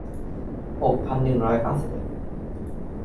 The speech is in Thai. หกพันหนึ่งร้อยเก้าสิบเอ็ด